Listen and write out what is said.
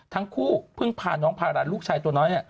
ทั้งคู่เพิ่งพาน้องพาหลานลูกชายตัวน้อย